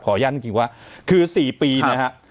ขอยั้นกี่ว่าคือ๔ปีเนี่ยครับ